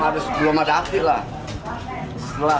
belum ada api lah